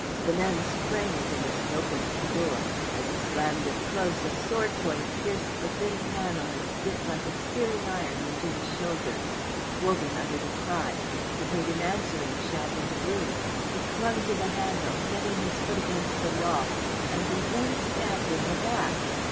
The men sprang at him as he opened the door; as he slammed it close a sword point pierced the thin panel and bit like a searing iron into his shoulder. Wogan uttered a cry; he heard an answering shout in the room, he clung to the handle, setting his foot against the wall, and was then stabbed in the back.